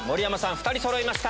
２人そろいました。